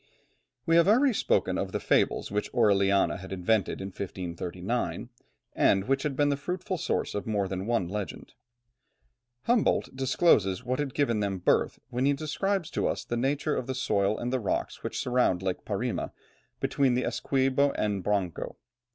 We have already spoken of the fables which Orellana had invented in 1539, and which had been the fruitful source of more than one legend. Humboldt discloses what had given them birth when he describes to us the nature of the soil and the rocks which surround Lake Parima, between the Essequibo and the Branco.